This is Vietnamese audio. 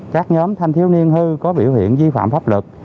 khiến thanh thiếu niên hư có biểu hiện di phạm pháp lực